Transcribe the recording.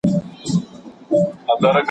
هغه د نړيوالي سولي له پاره هڅه کړې ده.